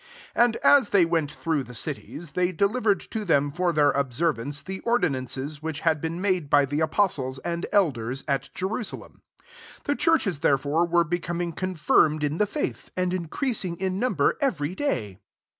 4 And as they went through the cities, they deliver ed to them for their observance the ordinances which had been made by the apostles and elders at Jerusalem. 5 The churches therefore were becoming con firmed in the faith, and increas .ing in number every day.